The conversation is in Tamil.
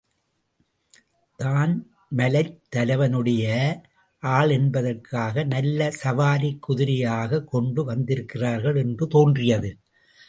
தான் மலைத் தலைவனுடைய ஆள் என்பதற்காக நல்ல சவாரிக் குதிரையாகக் கொண்டு வந்திருக்கிறார்கள் என்று தோன்றியது.